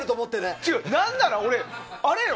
違う、何なら俺、あれよ。